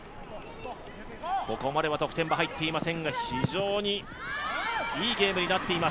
ここまでは得点が入っていませんが非常にいいゲームになっています。